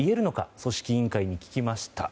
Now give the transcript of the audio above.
組織委員会に聞きました。